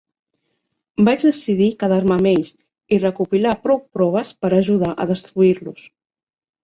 Vaig decidir quedar-me amb ells i recopilar prou proves per ajudar a destruir-los.